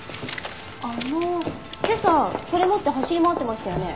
あの今朝それ持って走り回ってましたよね？